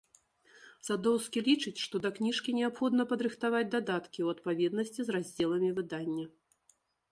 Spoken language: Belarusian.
Садоўскі лічыць, што да кніжкі неабходна падрыхтаваць дадаткі ў адпаведнасці з раздзеламі выдання.